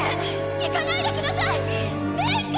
行かないでください殿下！